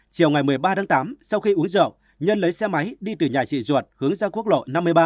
chiều ngày một mươi ba tháng tám sau khi uống rượu nhân lấy xe máy đi từ nhà chị ruột hướng ra quốc lộ năm mươi ba